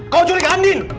kau culik andi